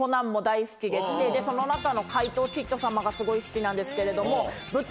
その中の怪盗キッド様がすごい好きなんですけれども。